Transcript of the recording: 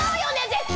⁉絶対！